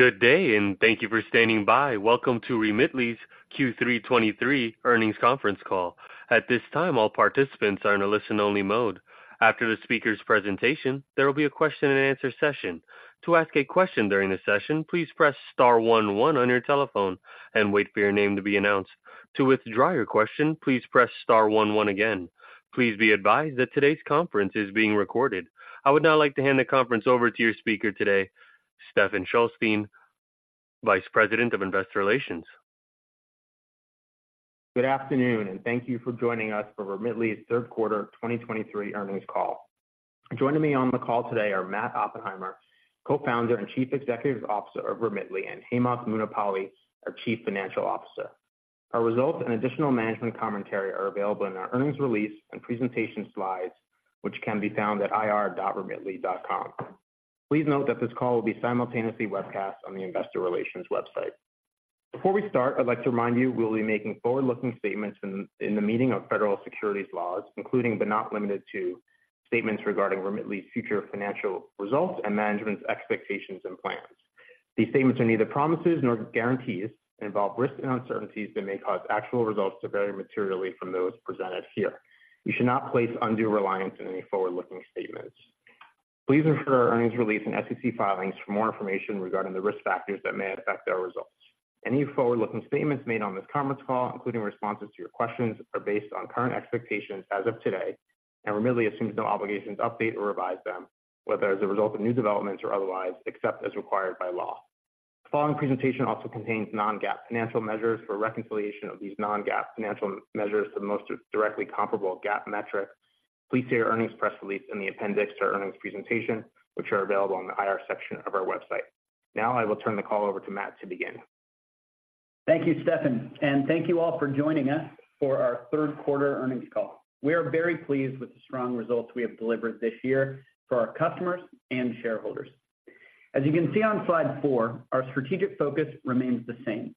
Good day, and thank you for standing by. Welcome to Remitly's Q3 2023 earnings conference call. At this time, all participants are in a listen-only mode. After the speaker's presentation, there will be a question-and-answer session. To ask a question during the session, please press star one one on your telephone and wait for your name to be announced. To withdraw your question, please press star one one again. Please be advised that today's conference is being recorded. I would now like to hand the conference over to your speaker today, Stephen Shulstein, Vice President of Investor Relations. Good afternoon, and thank you for joining us for Remitly's third quarter 2023 earnings call. Joining me on the call today are Matt Oppenheimer, Co-founder and Chief Executive Officer of Remitly, and Hemanth Munipalli, our Chief Financial Officer. Our results and additional management commentary are available in our earnings release and presentation slides, which can be found at ir.remitly.com. Please note that this call will be simultaneously webcast on the investor relations website. Before we start, I'd like to remind you we'll be making forward-looking statements in the meaning of federal securities laws, including, but not limited to, statements regarding Remitly's future financial results and management's expectations and plans. These statements are neither promises nor guarantees and involve risks and uncertainties that may cause actual results to vary materially from those presented here. You should not place undue reliance on any forward-looking statements. Please refer to our earnings release and SEC filings for more information regarding the risk factors that may affect our results. Any forward-looking statements made on this conference call, including responses to your questions, are based on current expectations as of today, and Remitly assumes no obligation to update or revise them, whether as a result of new developments or otherwise, except as required by law. The following presentation also contains non-GAAP financial measures. For a reconciliation of these non-GAAP financial measures to the most directly comparable GAAP metrics, please see our earnings press release in the appendix to our earnings presentation, which are available on the IR section of our website. Now, I will turn the call over to Matt to begin. Thank you, Stephen, and thank you all for joining us for our third quarter earnings call. We are very pleased with the strong results we have delivered this year for our customers and shareholders. As you can see on slide four, our strategic focus remains the same: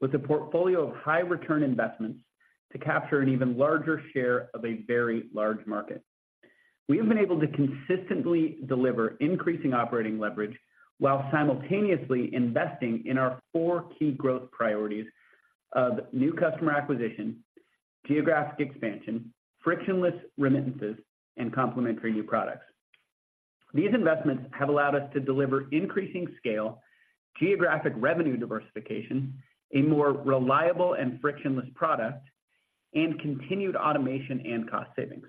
with a portfolio of high-return investments to capture an even larger share of a very large market. We have been able to consistently deliver increasing operating leverage while simultaneously investing in our four key growth priorities of new customer acquisition, geographic expansion, frictionless remittances, and complementary new products. These investments have allowed us to deliver increasing scale, geographic revenue diversification, a more reliable and frictionless product, and continued automation and cost savings.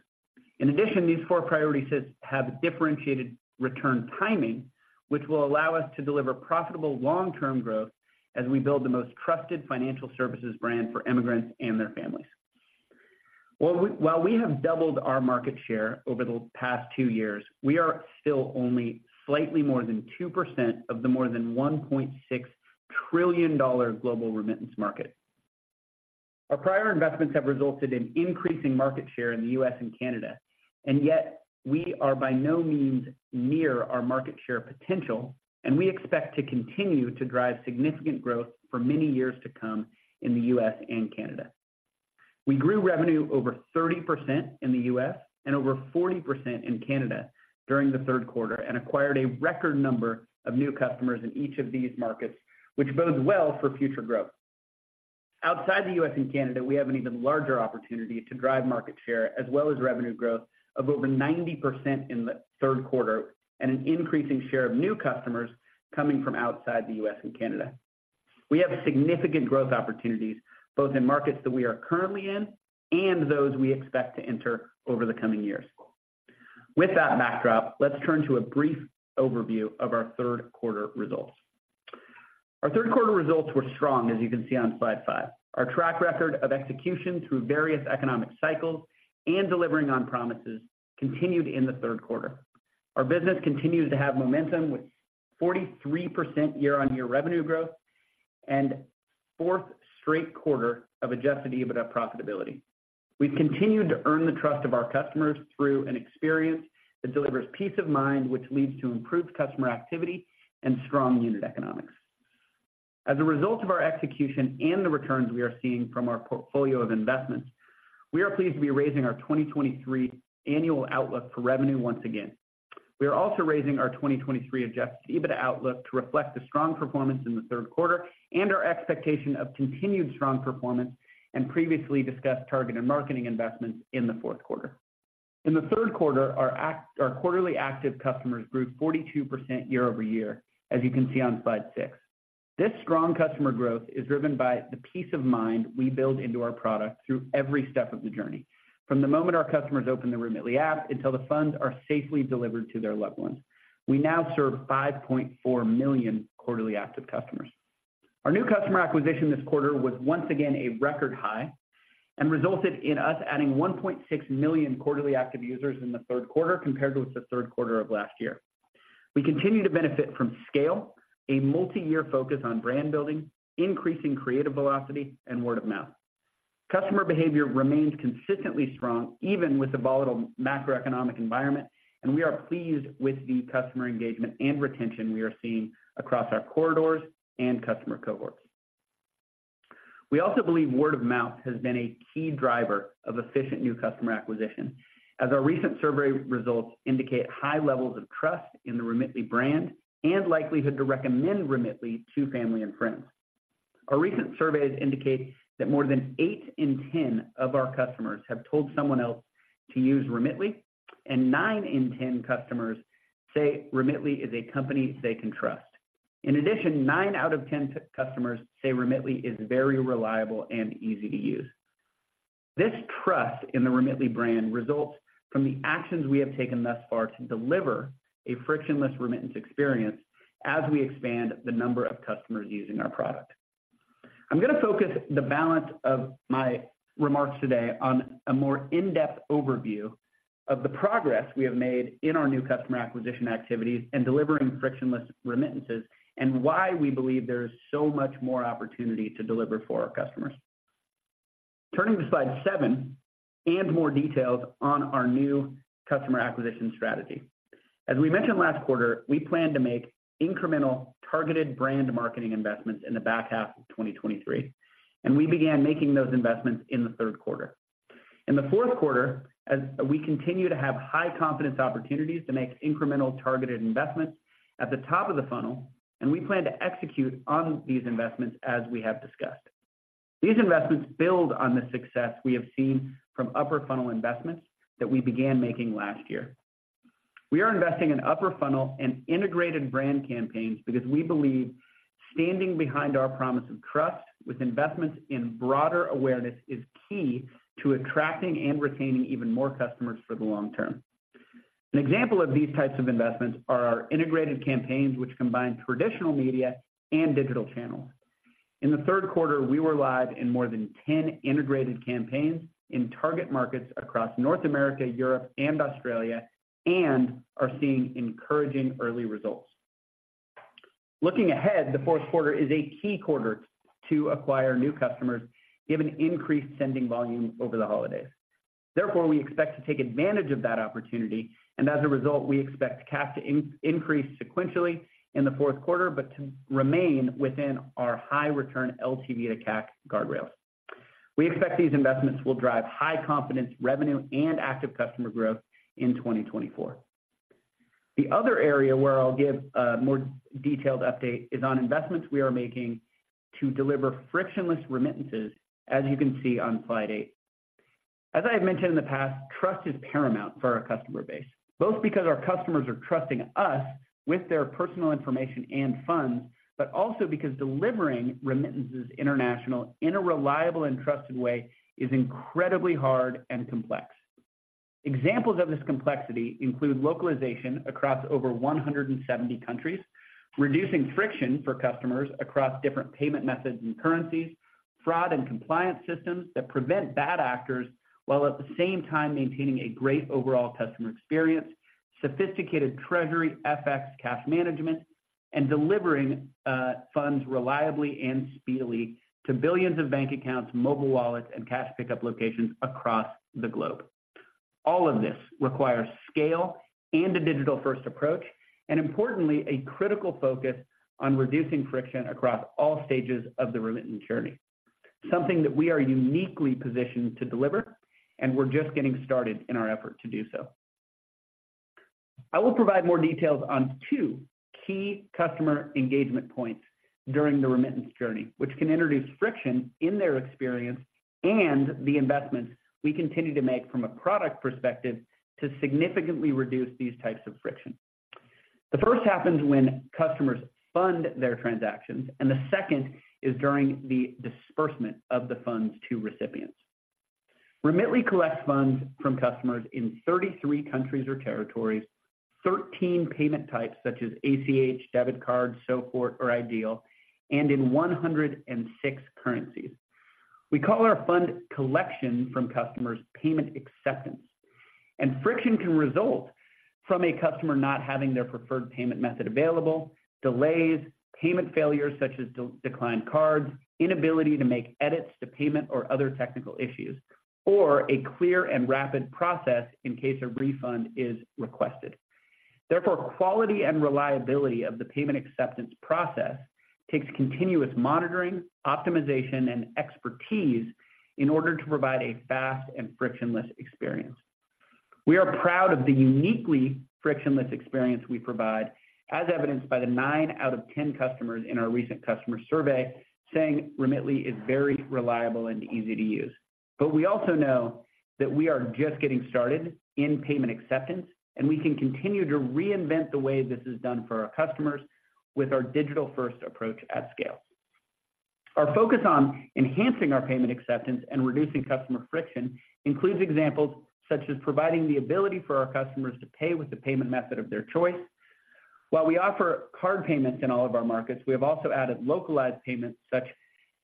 In addition, these four priorities have differentiated return timing, which will allow us to deliver profitable long-term growth as we build the most trusted financial services brand for immigrants and their families. Well, while we have doubled our market share over the past two years, we are still only slightly more than 2% of the more than $1.6 trillion global remittance market. Our prior investments have resulted in increasing market share in the U.S. and Canada, and yet we are by no means near our market share potential, and we expect to continue to drive significant growth for many years to come in the U.S. and Canada. We grew revenue over 30% in the U.S. and over 40% in Canada during the third quarter and acquired a record number of new customers in each of these markets, which bodes well for future growth. Outside the U.S. and Canada, we have an even larger opportunity to drive market share, as well as revenue growth of over 90% in the third quarter and an increasing share of new customers coming from outside the U.S. and Canada. We have significant growth opportunities, both in markets that we are currently in and those we expect to enter over the coming years. With that backdrop, let's turn to a brief overview of our third quarter results. Our third quarter results were strong, as you can see on slide 5. Our track record of execution through various economic cycles and delivering on promises continued in the third quarter. Our business continues to have momentum, with 43% year-over-year revenue growth and fourth straight quarter of adjusted EBITDA profitability. We've continued to earn the trust of our customers through an experience that delivers peace of mind, which leads to improved customer activity and strong unit economics. As a result of our execution and the returns we are seeing from our portfolio of investments, we are pleased to be raising our 2023 annual outlook for revenue once again. We are also raising our 2023 adjusted EBITDA outlook to reflect the strong performance in the third quarter and our expectation of continued strong performance and previously discussed targeted marketing investments in the fourth quarter. In the third quarter, our quarterly active customers grew 42% year-over-year, as you can see on slide 6. This strong customer growth is driven by the peace of mind we build into our product through every step of the journey, from the moment our customers open the Remitly app until the funds are safely delivered to their loved ones. We now serve 5.4 million quarterly active customers. Our new customer acquisition this quarter was once again a record high and resulted in us adding 1.6 million quarterly active users in the third quarter compared with the third quarter of last year. We continue to benefit from scale, a multi-year focus on brand building, increasing creative velocity, and word-of-mouth. Customer behavior remains consistently strong, even with the volatile macroeconomic environment, and we are pleased with the customer engagement and retention we are seeing across our corridors and customer cohorts.... We also believe word-of-mouth has been a key driver of efficient new customer acquisition, as our recent survey results indicate high levels of trust in the Remitly brand and likelihood to recommend Remitly to family and friends. Our recent surveys indicate that more than eight in 10 of our customers have told someone else to use Remitly, and nine in 10 customers say Remitly is a company they can trust. In addition, nine out of 10 customers say Remitly is very reliable and easy to use. This trust in the Remitly brand results from the actions we have taken thus far to deliver a frictionless remittance experience as we expand the number of customers using our product. I'm going to focus the balance of my remarks today on a more in-depth overview of the progress we have made in our new customer acquisition activities and delivering frictionless remittances, and why we believe there is so much more opportunity to deliver for our customers. Turning to slide seven and more details on our new customer acquisition strategy. As we mentioned last quarter, we plan to make incremental targeted brand marketing investments in the back half of 2023, and we began making those investments in the third quarter. In the fourth quarter, as we continue to have high confidence opportunities to make incremental targeted investments at the top of the funnel, and we plan to execute on these investments as we have discussed. These investments build on the success we have seen from upper funnel investments that we began making last year. We are investing in upper funnel and integrated brand campaigns because we believe standing behind our promise of trust with investments in broader awareness is key to attracting and retaining even more customers for the long-term. An example of these types of investments are our integrated campaigns, which combine traditional media and digital channels. In the third quarter, we were live in more than 10 integrated campaigns in target markets across North America, Europe, and Australia, and are seeing encouraging early results. Looking ahead, the fourth quarter is a key quarter to acquire new customers, given increased sending volume over the holidays. Therefore, we expect to take advantage of that opportunity, and as a result, we expect CAC to increase sequentially in the fourth quarter, but to remain within our high return LTV-to-CAC guardrails. We expect these investments will drive high confidence, revenue, and active customer growth in 2024. The other area where I'll give a more detailed update is on investments we are making to deliver frictionless remittances, as you can see on slide eight. As I have mentioned in the past, trust is paramount for our customer base, both because our customers are trusting us with their personal information and funds, but also because delivering remittances international in a reliable and trusted way is incredibly hard and complex. Examples of this complexity include localization across over 170 countries, reducing friction for customers across different payment methods and currencies, fraud and compliance systems that prevent bad actors, while at the same time maintaining a great overall customer experience, sophisticated treasury FX cash management, and delivering funds reliably and speedily to billions of bank accounts, mobile wallets, and cash pickup locations across the globe. All of this requires scale and a digital-first approach, and importantly, a critical focus on reducing friction across all stages of the remittance journey, something that we are uniquely positioned to deliver, and we're just getting started in our effort to do so. I will provide more details on two key customer engagement points during the remittance journey, which can introduce friction in their experience and the investments we continue to make from a product perspective to significantly reduce these types of friction. The first happens when customers fund their transactions, and the second is during the disbursement of the funds to recipients. Remitly collects funds from customers in 33 countries or territories, 13 payment types such as ACH, debit cards, Sofort, or iDEAL, and in 106 currencies. We call our fund collection from customers payment acceptance, and friction can result from a customer not having their preferred payment method available, delays, payment failures such as declined cards, inability to make edits to payment or other technical issues, or a clear and rapid process in case a refund is requested. Therefore, quality and reliability of the payment acceptance process takes continuous monitoring, optimization, and expertise in order to provide a fast and frictionless experience. We are proud of the uniquely frictionless experience we provide, as evidenced by the nine out of ten customers in our recent customer survey, saying Remitly is very reliable and easy to use. But we also know that we are just getting started in payment acceptance, and we can continue to reinvent the way this is done for our customers with our digital-first approach at scale. Our focus on enhancing our payment acceptance and reducing customer friction includes examples such as providing the ability for our customers to pay with the payment method of their choice. While we offer card payments in all of our markets, we have also added localized payments such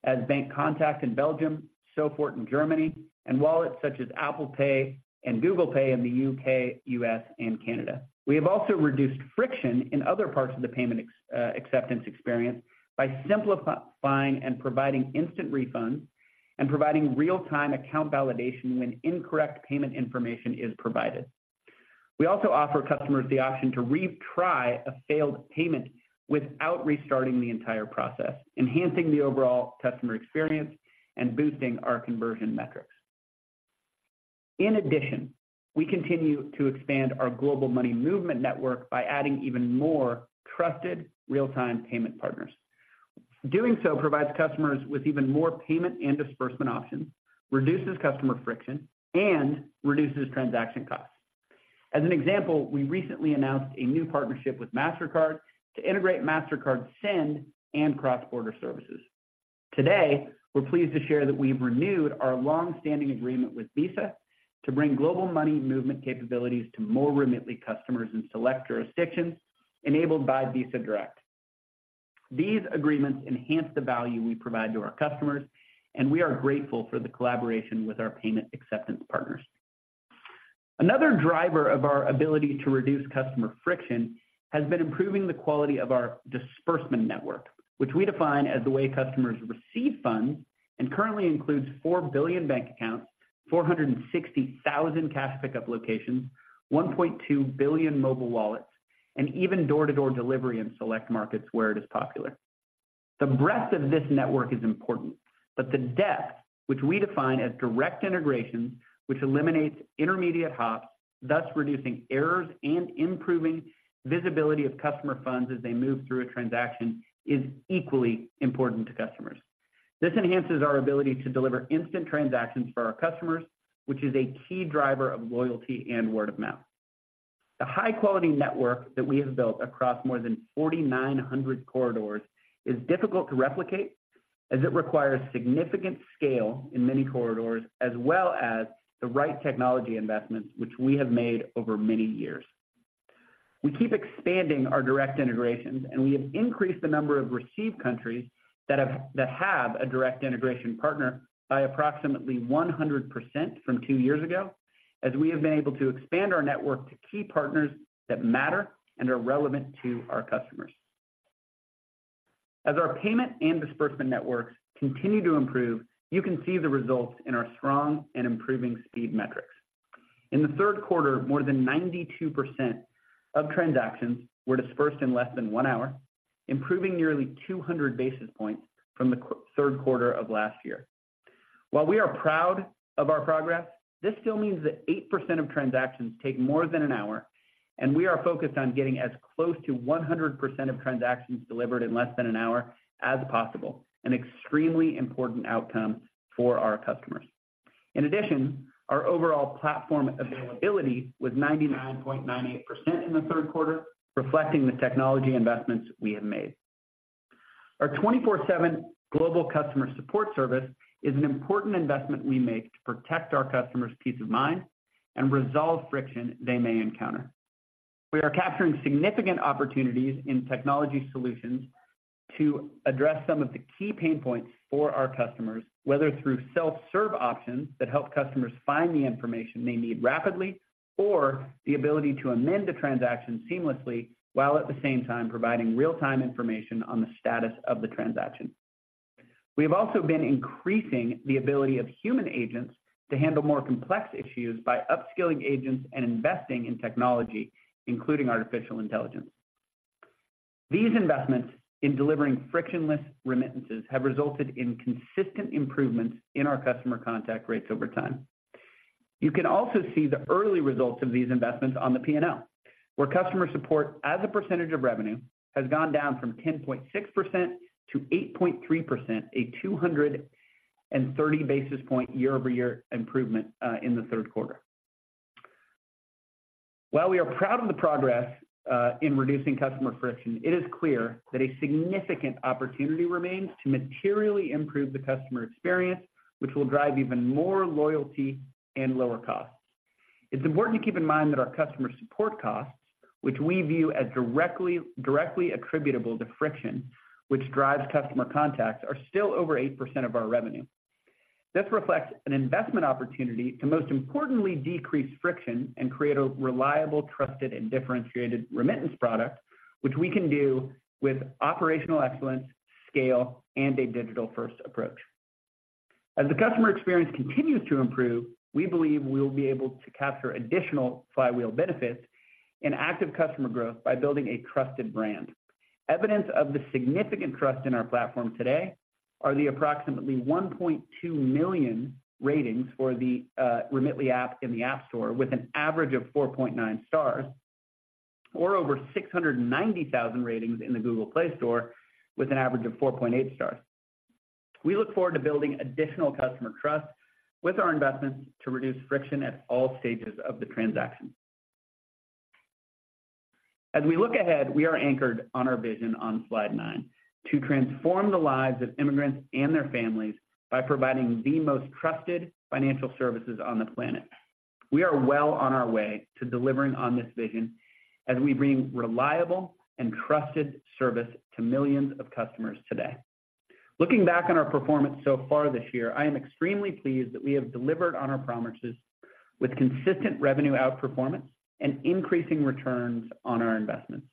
as Bancontact in Belgium, Sofort in Germany, and wallets such as Apple Pay and Google Pay in the U.K., U.S., and Canada. We have also reduced friction in other parts of the payment acceptance experience by simplifying and providing instant refunds and providing real-time account validation when incorrect payment information is provided. We also offer customers the option to retry a failed payment without restarting the entire process, enhancing the overall customer experience and boosting our conversion metrics. In addition, we continue to expand our global money movement network by adding even more trusted real-time payment partners. Doing so provides customers with even more payment and disbursement options, reduces customer friction, and reduces transaction costs. As an example, we recently announced a new partnership with Mastercard to integrate Mastercard Send and Cross-Border Services. Today, we're pleased to share that we've renewed our long-standing agreement with Visa to bring global money movement capabilities to more Remitly customers in select jurisdictions enabled by Visa Direct. These agreements enhance the value we provide to our customers, and we are grateful for the collaboration with our payment acceptance partners. Another driver of our ability to reduce customer friction has been improving the quality of our disbursement network, which we define as the way customers receive funds, and currently includes 4 billion bank accounts, 460,000 cash pickup locations, 1.2 billion mobile wallets, and even door-to-door delivery in select markets where it is popular. The breadth of this network is important, but the depth, which we define as direct integration, which eliminates intermediate hops, thus reducing errors and improving visibility of customer funds as they move through a transaction, is equally important to customers. This enhances our ability to deliver instant transactions for our customers, which is a key driver of loyalty and word-of-mouth. The high-quality network that we have built across more than 4,900 corridors is difficult to replicate, as it requires significant scale in many corridors, as well as the right technology investments, which we have made over many years. We keep expanding our direct integrations, and we have increased the number of receive countries that have a direct integration partner by approximately 100% from two years ago, as we have been able to expand our network to key partners that matter and are relevant to our customers. As our payment and disbursement networks continue to improve, you can see the results in our strong and improving speed metrics. In the third quarter, more than 92% of transactions were disbursed in less than 1 hour, improving nearly 200 basis points from the third quarter of last year. While we are proud of our progress, this still means that 8% of transactions take more than an hour, and we are focused on getting as close to 100% of transactions delivered in less than an hour as possible, an extremely important outcome for our customers. In addition, our overall platform availability was 99.98% in the third quarter, reflecting the technology investments we have made. Our 24/7 global customer support service is an important investment we make to protect our customers' peace of mind and resolve friction they may encounter. We are capturing significant opportunities in technology solutions to address some of the key pain points for our customers, whether through self-serve options that help customers find the information they need rapidly, or the ability to amend a transaction seamlessly, while at the same time providing real-time information on the status of the transaction. We have also been increasing the ability of human agents to handle more complex issues by upskilling agents and investing in technology, including artificial intelligence. These investments in delivering frictionless remittances have resulted in consistent improvements in our customer contact rates over time. You can also see the early results of these investments on the P&L, where customer support as a percentage of revenue has gone down from 10.6% to 8.3%, a 230 basis point year-over-year improvement in the third quarter. While we are proud of the progress in reducing customer friction, it is clear that a significant opportunity remains to materially improve the customer experience, which will drive even more loyalty and lower costs. It's important to keep in mind that our customer support costs, which we view as directly, directly attributable to friction, which drives customer contacts, are still over 8% of our revenue. This reflects an investment opportunity to most importantly, decrease friction and create a reliable, trusted, and differentiated remittance product, which we can do with operational excellence, scale, and a digital-first approach. As the customer experience continues to improve, we believe we will be able to capture additional flywheel benefits and active customer growth by building a trusted brand. Evidence of the significant trust in our platform today are the approximately 1.2 million ratings for the Remitly app in the App Store, with an average of 4.9 stars, or over 690,000 ratings in the Google Play Store with an average of 4.8 stars. We look forward to building additional customer trust with our investments to reduce friction at all stages of the transaction. As we look ahead, we are anchored on our vision on slide nine, "To transform the lives of immigrants and their families by providing the most trusted financial services on the planet." We are well on our way to delivering on this vision as we bring reliable and trusted service to millions of customers today. Looking back on our performance so far this year, I am extremely pleased that we have delivered on our promises with consistent revenue outperformance and increasing returns on our investments.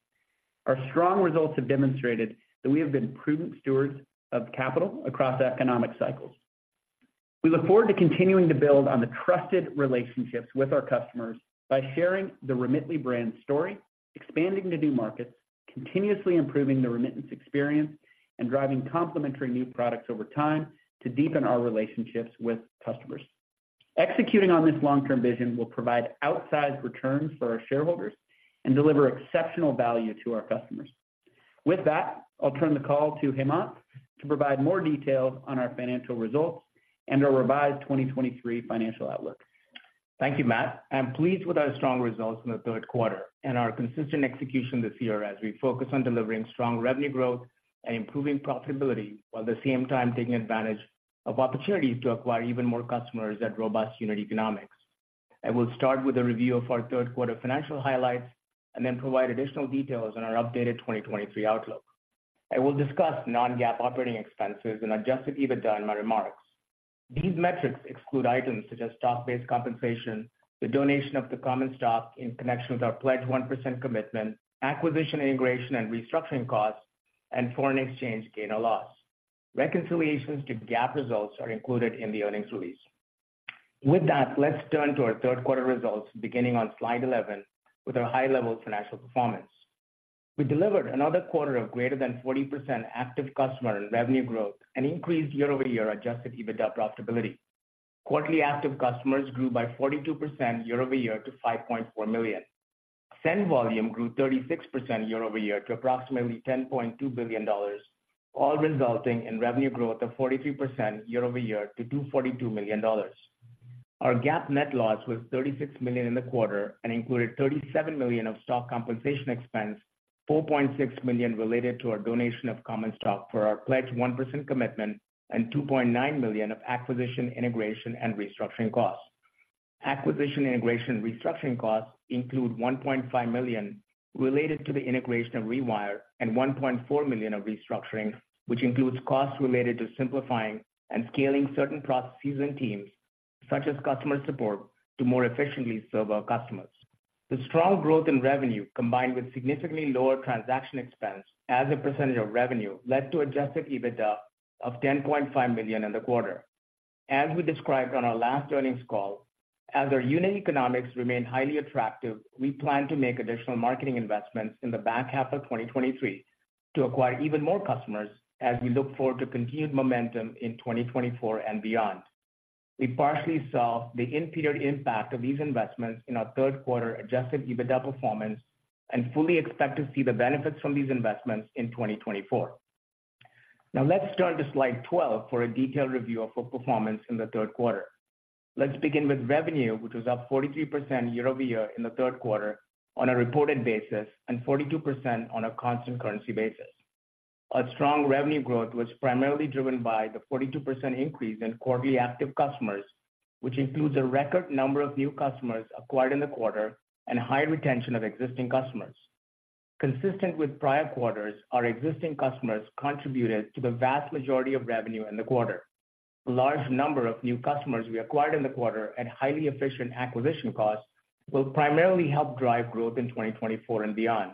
Our strong results have demonstrated that we have been prudent stewards of capital across economic cycles.... We look forward to continuing to build on the trusted relationships with our customers by sharing the Remitly brand story, expanding to new markets, continuously improving the remittance experience, and driving complementary new products over time to deepen our relationships with customers. Executing on this long-term vision will provide outsized returns for our shareholders and deliver exceptional value to our customers. With that, I'll turn the call to Hemanth to provide more details on our financial results and our revised 2023 financial outlook. Thank you, Matt. I'm pleased with our strong results in the third quarter and our consistent execution this year as we focus on delivering strong revenue growth and improving profitability, while at the same time taking advantage of opportunities to acquire even more customers at robust unit economics. I will start with a review of our third quarter financial highlights, and then provide additional details on our updated 2023 outlook. I will discuss non-GAAP operating expenses and adjusted EBITDA in my remarks. These metrics exclude items such as stock-based compensation, the donation of the common stock in connection with our Pledge 1% commitment, acquisition, integration, and restructuring costs, and foreign exchange gain or loss. Reconciliations to GAAP results are included in the earnings release. With that, let's turn to our third quarter results, beginning on slide 11, with our high-level financial performance. We delivered another quarter of greater than 40% active customer and revenue growth, and increased year-over-year adjusted EBITDA profitability. Quarterly active customers grew by 42% year-over-year to 5.4 million. Send-volume grew 36% year-over-year to approximately $10.2 billion, all resulting in revenue growth of 43% year-over-year to $242 million. Our GAAP net loss was $36 million in the quarter and included $37 million of stock compensation expense, $4.6 million related to our donation of common stock for our Pledge 1% commitment, and $2.9 million of acquisition, integration, and restructuring costs. Acquisition, integration, and restructuring costs include $1.5 million related to the integration of Rewire and $1.4 million of restructuring, which includes costs related to simplifying and scaling certain processes and teams, such as customer support, to more efficiently serve our customers. The strong growth in revenue, combined with significantly lower transaction expense as a percentage of revenue, led to adjusted EBITDA of $10.5 million in the quarter. As we described on our last earnings call, as our unit economics remain highly attractive, we plan to make additional marketing investments in the back half of 2023 to acquire even more customers as we look forward to continued momentum in 2024 and beyond. We partially saw the in-period impact of these investments in our third quarter adjusted EBITDA performance and fully expect to see the benefits from these investments in 2024. Now let's turn to slide 12 for a detailed review of our performance in the third quarter. Let's begin with revenue, which was up 43% year-over-year in the third quarter on a reported basis, and 42% on a constant currency basis. Our strong revenue growth was primarily driven by the 42% increase in quarterly active customers, which includes a record number of new customers acquired in the quarter and high retention of existing customers. Consistent with prior quarters, our existing customers contributed to the vast majority of revenue in the quarter. The large number of new customers we acquired in the quarter at highly efficient acquisition costs will primarily help drive growth in 2024 and beyond.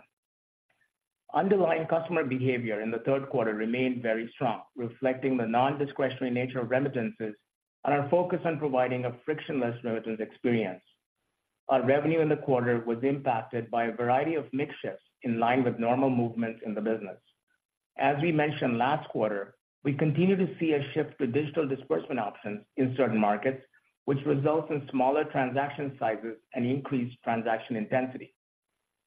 Underlying customer behavior in the third quarter remained very strong, reflecting the non-discretionary nature of remittances and our focus on providing a frictionless remittance experience. Our revenue in the quarter was impacted by a variety of mix shifts in line with normal movements in the business. As we mentioned last quarter, we continue to see a shift to digital disbursement options in certain markets, which results in smaller transaction sizes and increased transaction intensity.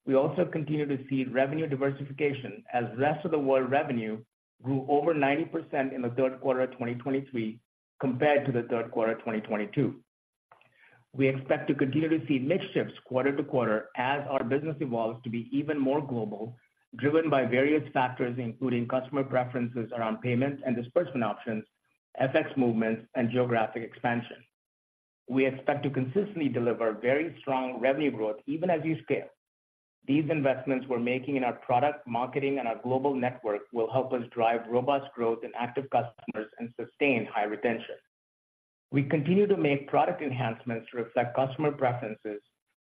We also continue to see revenue diversification as rest of the world revenue grew over 90% in the third quarter of 2023 compared to the third quarter of 2022. We expect to continue to see mix shifts quarter to quarter as our business evolves to be even more global, driven by various factors, including customer preferences around payments and disbursement options, FX movements, and geographic expansion. We expect to consistently deliver very strong revenue growth even as we scale. These investments we're making in our product, marketing, and our global network will help us drive robust growth in active customers and sustain high retention. We continue to make product enhancements to reflect customer preferences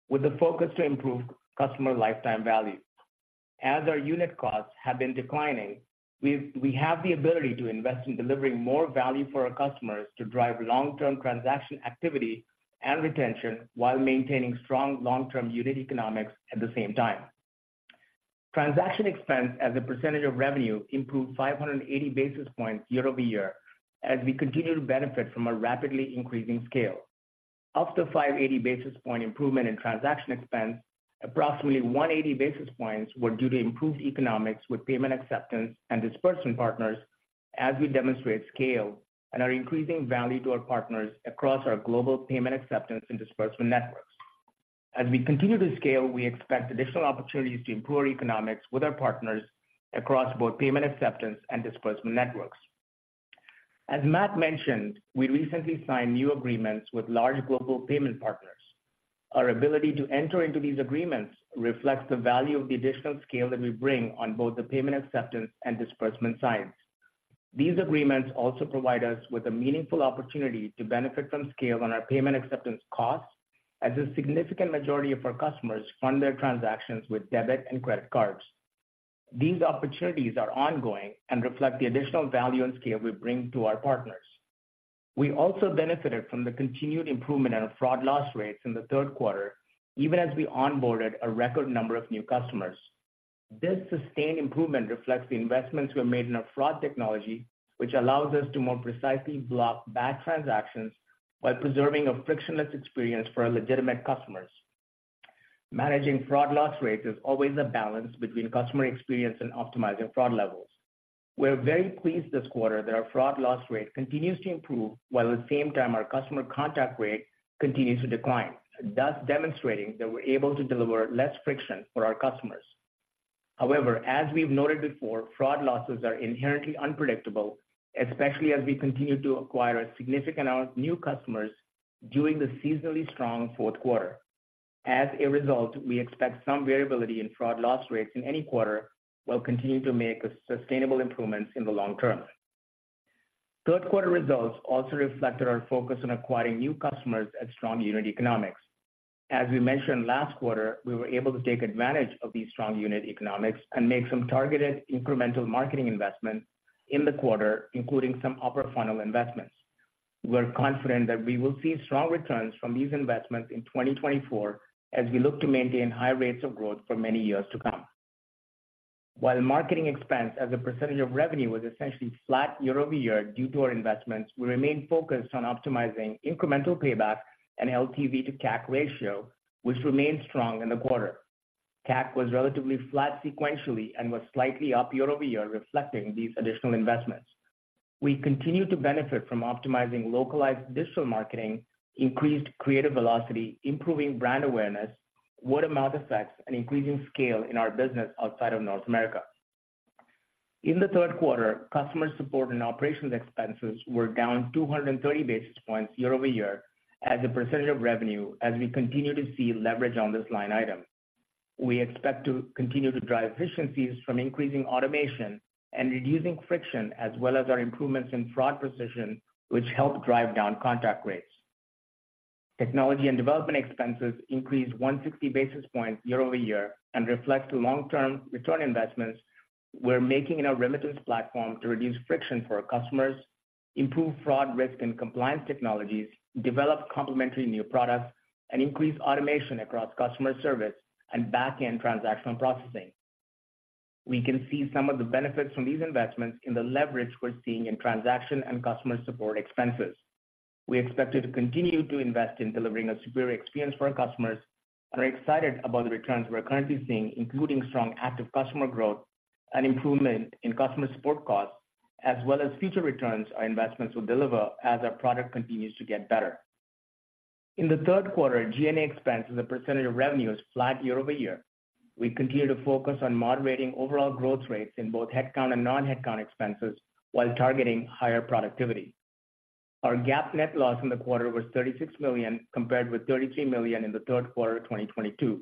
with a focus to improve customer lifetime value. As our unit costs have been declining, we have the ability to invest in delivering more value for our customers to drive long-term transaction activity and retention while maintaining strong long-term unit economics at the same time. Transaction expense as a percentage of revenue improved 580 basis points year-over-year, as we continue to benefit from a rapidly increasing scale. Of the 580 basis point improvement in transaction expense, approximately 180 basis points were due to improved economics with payment, acceptance, and disbursement partners, as we demonstrate scale and are increasing value to our partners across our global payment acceptance and disbursement networks. As we continue to scale, we expect additional opportunities to improve economics with our partners across both payment, acceptance, and disbursement networks. As Matt mentioned, we recently signed new agreements with large global payment partners. Our ability to enter into these agreements reflects the value of the additional scale that we bring on both the payment acceptance and disbursement sides. These agreements also provide us with a meaningful opportunity to benefit from scale on our payment acceptance costs, as a significant majority of our customers fund their transactions with debit and credit cards.... These opportunities are ongoing and reflect the additional value and scale we bring to our partners. We also benefited from the continued improvement in our fraud loss rates in the third quarter, even as we onboarded a record number of new customers. This sustained improvement reflects the investments we have made in our fraud technology, which allows us to more precisely block bad transactions while preserving a frictionless experience for our legitimate customers. Managing fraud loss rates is always a balance between customer experience and optimizing fraud levels. We're very pleased this quarter that our fraud loss rate continues to improve, while at the same time our customer contact rate continues to decline, thus demonstrating that we're able to deliver less friction for our customers. However, as we've noted before, fraud losses are inherently unpredictable, especially as we continue to acquire a significant amount of new customers during the seasonally strong fourth quarter. As a result, we expect some variability in fraud loss rates in any quarter, while continuing to make sustainable improvements in the long-term. Third quarter results also reflected our focus on acquiring new customers at strong unit economics. As we mentioned last quarter, we were able to take advantage of these strong unit economics and make some targeted incremental marketing investments in the quarter, including some upper funnel investments. We're confident that we will see strong returns from these investments in 2024 as we look to maintain high rates of growth for many years to come. While marketing expense as a percentage of revenue was essentially flat year-over-year due to our investments, we remain focused on optimizing incremental payback and LTV-to-CAC ratio, which remains strong in the quarter. CAC was relatively flat sequentially and was slightly up year-over-year, reflecting these additional investments. We continue to benefit from optimizing localized digital marketing, increased creative velocity, improving brand awareness, word-of-mouth effects, and increasing scale in our business outside of North America. In the third quarter, customer support and operations expenses were down 230 basis points year-over-year as a percentage of revenue, as we continue to see leverage on this line item. We expect to continue to drive efficiencies from increasing automation and reducing friction, as well as our improvements in fraud precision, which help drive down contact rates. Technology and development expenses increased 160 basis points year-over-year and reflect the long-term return investments we're making in our remittance platform to reduce friction for our customers, improve fraud, risk, and compliance technologies, develop complementary new products, and increase automation across customer service and back-end transactional processing. We can see some of the benefits from these investments in the leverage we're seeing in transaction and customer support expenses. We expect to continue to invest in delivering a superior experience for our customers, and are excited about the returns we're currently seeing, including strong active customer growth and improvement in customer support costs, as well as future returns our investments will deliver as our product continues to get better. In the third quarter, G&A expenses as a percentage of revenue is flat year-over-year. We continue to focus on moderating overall growth rates in both headcount and non-headcount expenses, while targeting higher productivity. Our GAAP net loss in the quarter was $36 million, compared with $33 million in the third quarter of 2022.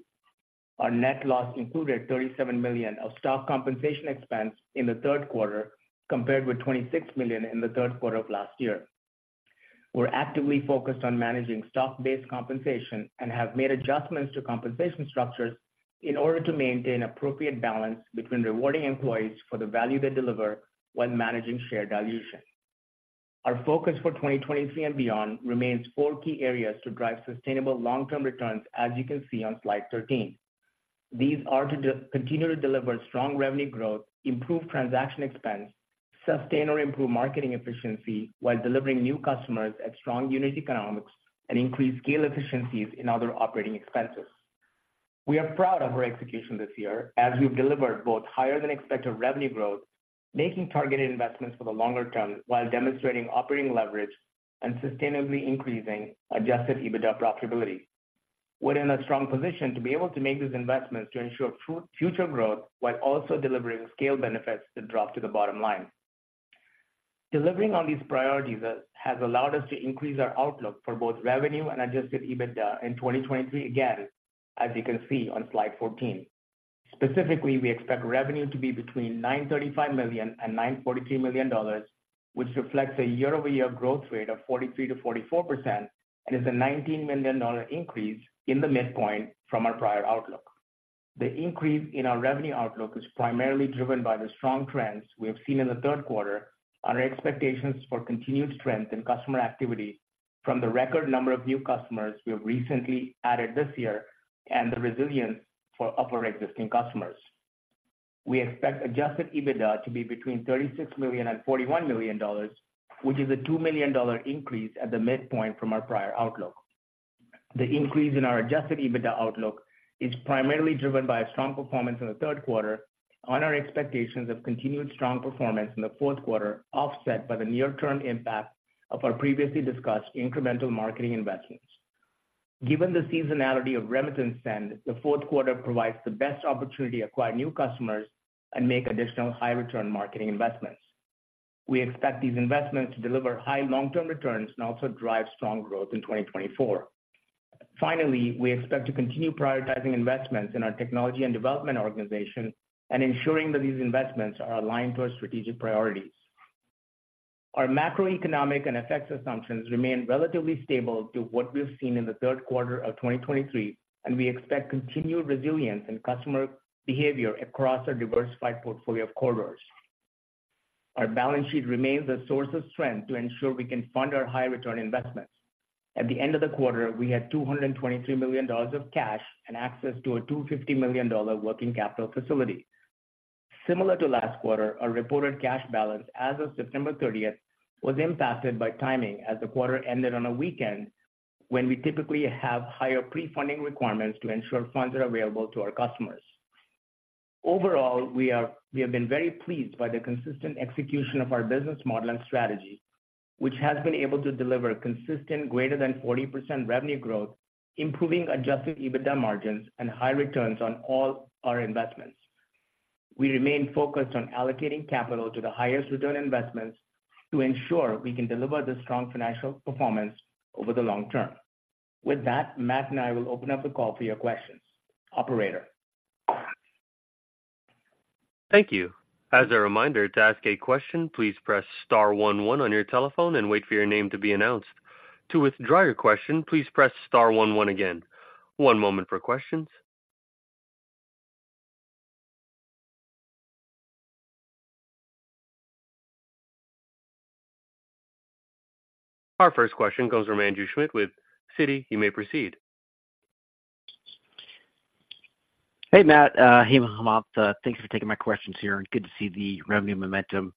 Our net loss included $37 million of stock compensation expense in the third quarter, compared with $26 million in the third quarter of last year. We're actively focused on managing stock-based compensation and have made adjustments to compensation structures in order to maintain appropriate balance between rewarding employees for the value they deliver, while managing share dilution. Our focus for 2023 and beyond remains four key areas to drive sustainable long-term returns, as you can see on slide 13. These are to continue to deliver strong revenue growth, improve transaction expense, sustain or improve marketing efficiency while delivering new customers at strong unit economics, and increase scale efficiencies in other operating expenses. We are proud of our execution this year as we've delivered both higher than expected revenue growth, making targeted investments for the longer term, while demonstrating operating leverage and sustainably increasing adjusted EBITDA profitability. We're in a strong position to be able to make these investments to ensure future growth, while also delivering scale benefits that drop to the bottom line. Delivering on these priorities has allowed us to increase our outlook for both revenue and adjusted EBITDA in 2023, again, as you can see on slide 14. Specifically, we expect revenue to be between $935 million and $943 million, which reflects a year-over-year growth rate of 43%-44% and is a $19 million increase in the midpoint from our prior outlook. The increase in our revenue outlook is primarily driven by the strong trends we have seen in the third quarter, and our expectations for continued strength in customer activity from the record number of new customers we have recently added this year, and the resilience for our existing customers. We expect adjusted EBITDA to be between $36 million and $41 million, which is a $2 million increase at the midpoint from our prior outlook. The increase in our adjusted EBITDA outlook is primarily driven by a strong performance in the third quarter on our expectations of continued strong performance in the fourth quarter, offset by the near-term impact of our previously discussed incremental marketing investments. Given the seasonality of remittance spend, the fourth quarter provides the best opportunity to acquire new customers and make additional high-return marketing investments. We expect these investments to deliver high long-term returns and also drive strong growth in 2024. Finally, we expect to continue prioritizing investments in our technology and development organization and ensuring that these investments are aligned to our strategic priorities. Our macroeconomic and effects assumptions remain relatively stable to what we've seen in the third quarter of 2023, and we expect continued resilience in customer behavior across our diversified portfolio of corridors. Our balance sheet remains a source of strength to ensure we can fund our high return investments. At the end of the quarter, we had $223 million of cash and access to a $250 million working capital facility. Similar to last quarter, our reported cash balance as of September 30, was impacted by timing, as the quarter ended on a weekend when we typically have higher pre-funding requirements to ensure funds are available to our customers. Overall, we have been very pleased by the consistent execution of our business model and strategy, which has been able to deliver consistent greater than 40% revenue growth, improving adjusted EBITDA margins and high returns on all our investments. We remain focused on allocating capital to the highest return investments to ensure we can deliver the strong financial performance over the long-term. With that, Matt and I will open up the call for your questions. Operator? Thank you. As a reminder, to ask a question, please press star one one on your telephone and wait for your name to be announced. To withdraw your question, please press star one one again. One moment for questions. Our first question comes from Andrew Schmidt with Citi. You may proceed. Hey, Matt. Hey, Hemanth. Thank you for taking my questions here, and good to see the revenue momentum.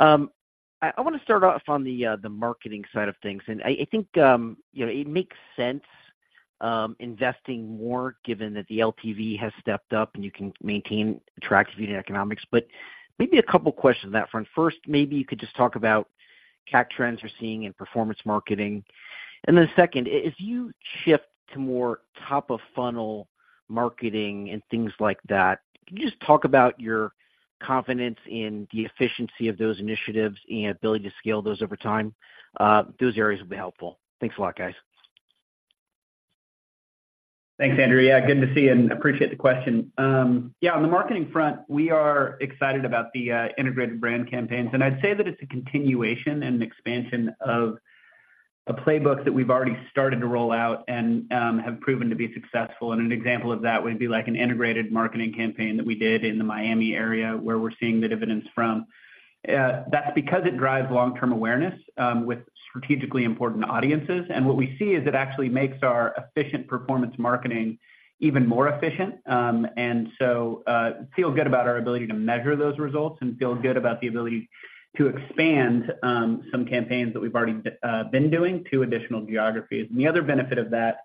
I want to start off on the marketing side of things, and I think, you know, it makes sense, investing more given that the LTV has stepped up and you can maintain attractive economics. But maybe a couple questions on that front. First, maybe you could just talk about CAC trends you're seeing in performance marketing. And then second, as you shift to more top of funnel marketing and things like that, can you just talk about your confidence in the efficiency of those initiatives and ability to scale those over time? Those areas will be helpful. Thanks a lot, guys. Thanks, Andrew. Yeah, good to see you and appreciate the question. Yeah, on the marketing front, we are excited about the integrated brand campaigns. And I'd say that it's a continuation and expansion of a playbook that we've already started to roll out and have proven to be successful. And an example of that would be like an integrated marketing campaign that we did in the Miami area, where we're seeing the dividends from. That's because it drives long-term awareness with strategically important audiences. And what we see is it actually makes our efficient performance marketing even more efficient. And so, feel good about our ability to measure those results and feel good about the ability to expand some campaigns that we've already been doing to additional geographies. And the other benefit of that,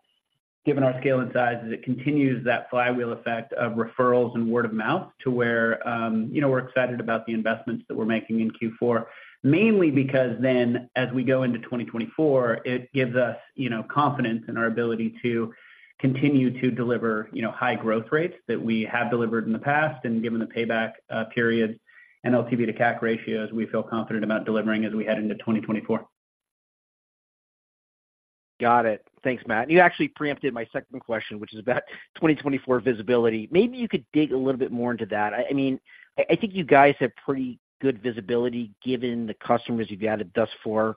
given our scale and size, is it continues that flywheel effect of referrals and word-of-mouth to where, you know, we're excited about the investments that we're making in Q4. Mainly because then, as we go into 2024, it gives us, you know, confidence in our ability to continue to deliver, you know, high growth rates that we have delivered in the past. And given the payback period and LTV-to-CAC ratios, we feel confident about delivering as we head into 2024. Got it. Thanks, Matt. You actually preempted my second question, which is about 2024 visibility. Maybe you could dig a little bit more into that. I mean, I think you guys have pretty good visibility, given the customers you've added thus far.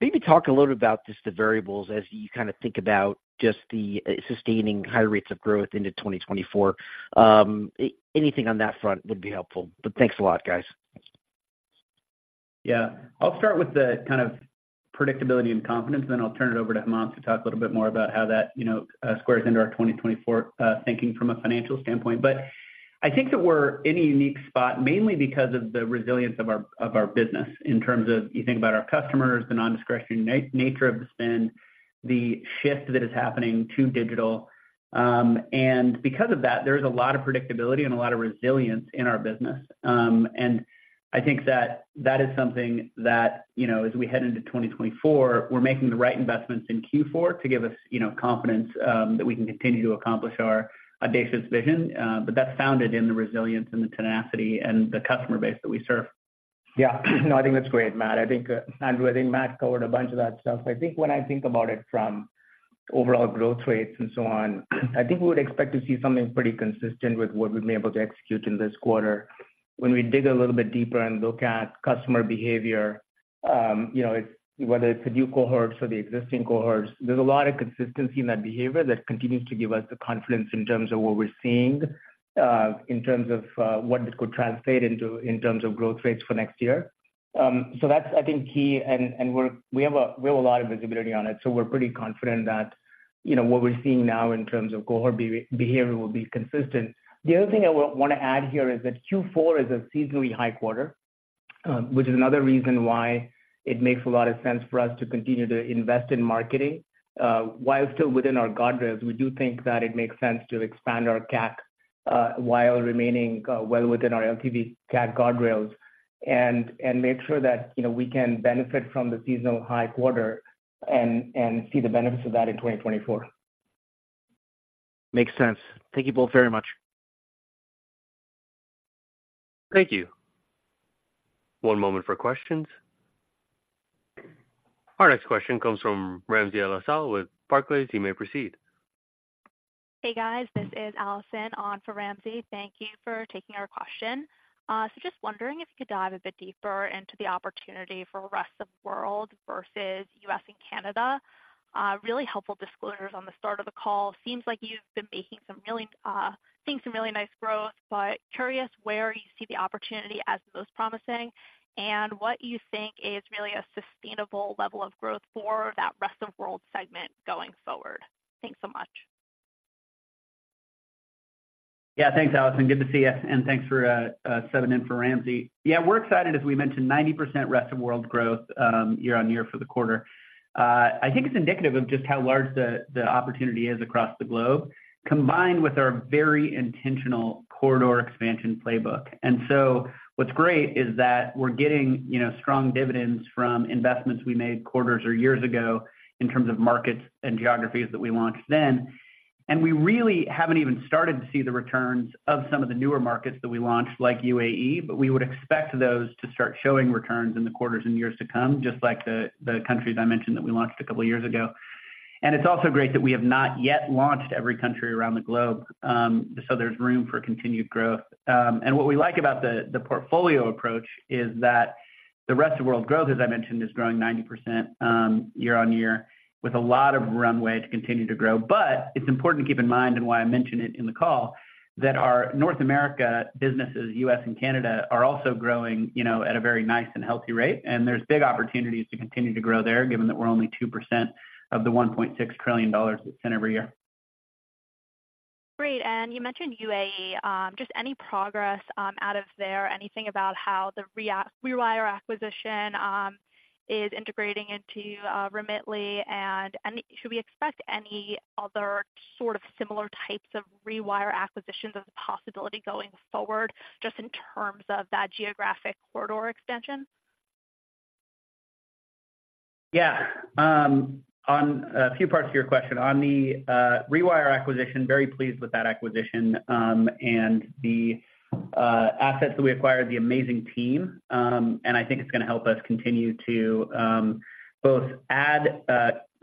Maybe talk a little about just the variables as you kind of think about just the sustaining higher rates of growth into 2024. Anything on that front would be helpful. But thanks a lot, guys. Yeah. I'll start with the kind of predictability and confidence, then I'll turn it over to Hemanth to talk a little bit more about how that, you know, squares into our 2024 thinking from a financial standpoint. But I think that we're in a unique spot, mainly because of the resilience of our business in terms of you think about our customers, the non-discretionary nature of the spend, the shift that is happening to digital. And because of that, there's a lot of predictability and a lot of resilience in our business. And I think that that is something that, you know, as we head into 2024, we're making the right investments in Q4 to give us, you know, confidence that we can continue to accomplish our audacious vision. But that's founded in the resilience and the tenacity and the customer base that we serve. Yeah. No, I think that's great, Matt. I think, Andrew, I think Matt covered a bunch of that stuff. I think when I think about it from overall growth rates and so on, I think we would expect to see something pretty consistent with what we've been able to execute in this quarter. When we dig a little bit deeper and look at customer behavior, you know, it's, whether it's the new cohorts or the existing cohorts, there's a lot of consistency in that behavior that continues to give us the confidence in terms of what we're seeing, in terms of, what this could translate into in terms of growth rates for next year. So that's, I think, key, and we have a lot of visibility on it, so we're pretty confident that, you know, what we're seeing now in terms of cohort behavior will be consistent. The other thing I want to add here is that Q4 is a seasonally high quarter, which is another reason why it makes a lot of sense for us to continue to invest in marketing. While still within our guardrails, we do think that it makes sense to expand our CAC, while remaining well within our LTV CAC guardrails, and make sure that, you know, we can benefit from the seasonal high quarter and see the benefits of that in 2024. Makes sense. Thank you both very much. Thank you. One moment for questions. Our next question comes from Ramsey El-Assal with Barclays. You may proceed.... Hey, guys, this is Allison on for Ramsey. Thank you for taking our question. So just wondering if you could dive a bit deeper into the opportunity for rest of world versus U.S. and Canada. Really helpful disclosures on the start of the call. Seems like you've been making some really, seeing some really nice growth, but curious where you see the opportunity as the most promising and what you think is really a sustainable level of growth for that rest of world segment going forward. Thanks so much. Yeah, thanks, Allison. Good to see you, and thanks for stepping in for Ramsey. Yeah, we're excited. As we mentioned, 90% rest of world growth year-on-year for the quarter. I think it's indicative of just how large the opportunity is across the globe, combined with our very intentional corridor expansion playbook. And so what's great is that we're getting, you know, strong dividends from investments we made quarters or years ago in terms of markets and geographies that we launched then. And we really haven't even started to see the returns of some of the newer markets that we launched, like UAE, but we would expect those to start showing returns in the quarters and years to come, just like the countries I mentioned that we launched a couple of years ago. It's also great that we have not yet launched every country around the globe, so there's room for continued growth. And what we like about the portfolio approach is that the rest of world growth, as I mentioned, is growing 90%, year-on-year, with a lot of runway to continue to grow. But it's important to keep in mind, and why I mentioned it in the call, that our North America businesses, U.S. and Canada, are also growing, you know, at a very nice and healthy rate, and there's big opportunities to continue to grow there, given that we're only 2% of the $1.6 trillion that's sent every year. Great. And you mentioned UAE, just any progress out of there? Anything about how the Rewire acquisition is integrating into Remitly? And should we expect any other sort of similar types of Rewire acquisitions as a possibility going forward, just in terms of that geographic corridor extension? Yeah. On a few parts of your question, on the Rewire acquisition, very pleased with that acquisition, and the assets that we acquired, the amazing team, and I think it's going to help us continue to both add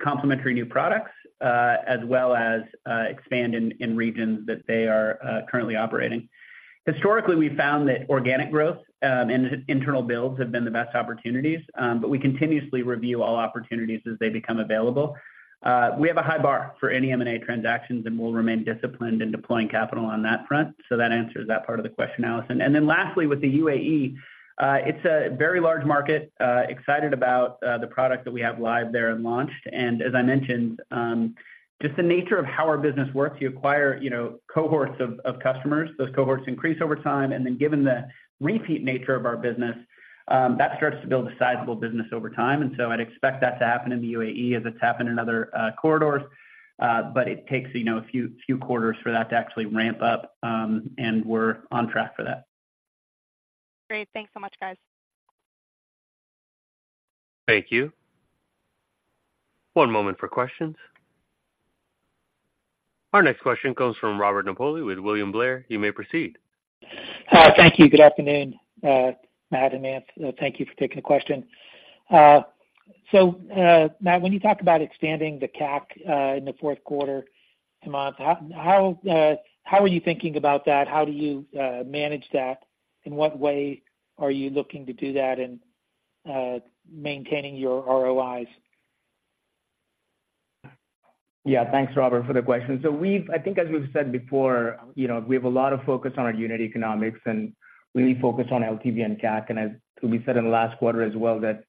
complementary new products as well as expand in regions that they are currently operating. Historically, we found that organic growth and internal builds have been the best opportunities, but we continuously review all opportunities as they become available. We have a high bar for any M&A transactions, and we'll remain disciplined in deploying capital on that front. So that answers that part of the question, Allison. And then lastly, with the UAE, it's a very large market, excited about the product that we have live there and launched. As I mentioned, just the nature of how our business works, you acquire, you know, cohorts of customers. Those cohorts increase over time, and then given the repeat nature of our business, that starts to build a sizable business over time. So I'd expect that to happen in the UAE as it's happened in other corridors, but it takes, you know, a few quarters for that to actually ramp up, and we're on track for that. Great. Thanks so much, guys. Thank you. One moment for questions. Our next question comes from Robert Napoli with William Blair. You may proceed. Thank you. Good afternoon, Matt and Hemant. Thank you for taking the question. So, Matt, when you talk about expanding the CAC in the fourth quarter months, how are you thinking about that? How do you manage that? In what way are you looking to do that and maintaining your ROIs? Yeah, thanks, Robert, for the question. So we've, I think as we've said before, you know, we have a lot of focus on our unit economics, and we focus on LTV and CAC, and as we said in the last quarter as well, that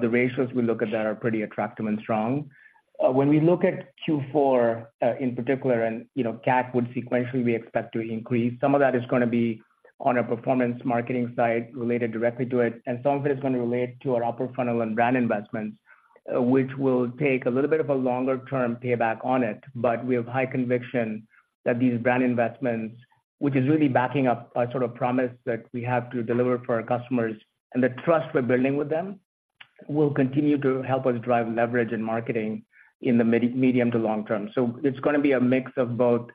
the ratios we look at there are pretty attractive and strong. When we look at Q4 in particular, and, you know, CAC would sequentially, we expect to increase, some of that is gonna be on a performance marketing side related directly to it, and some of it is gonna relate to our upper funnel and brand investments, which will take a little bit of a longer-term payback on it. But we have high conviction that these brand investments, which is really backing up a sort of promise that we have to deliver for our customers and the trust we're building with them, will continue to help us drive leverage in marketing in the medium to long-term. So it's gonna be a mix of both,